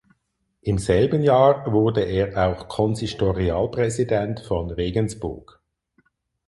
Im selben Jahr wurde er auch Konsistorialpräsident von Regensburg.